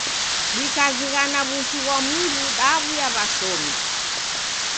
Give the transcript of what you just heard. Dikazighana w'ushu ghwa mndu, daw'uya w'ashomi.